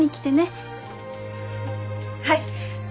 はい。